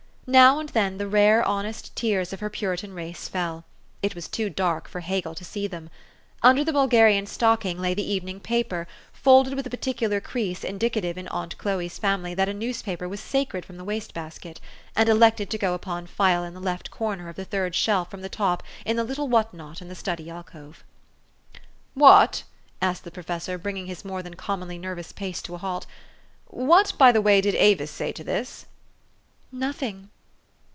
Now and then the rare, honest tears of her Puritan race fell : it was too dark for Hegel to see them. Under the Bulgarian stocking lay the evening paper, folded with the particular crease indicative in aunt Chloe 's family that a newspaper was sacred from the waste basket, and elected to go upon file in the left corner of the third shelf from the top in the little what not in the study alcove. "What," asked the professor, bringing his more than commonly nervous pace to a halt, "what, by the way, did Avis say to this ?" "Nothing."